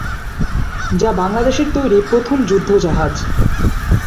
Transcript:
যা বাংলাদেশের তৈরি প্রথম যুদ্ধজাহাজ।